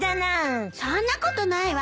そんなことないわ。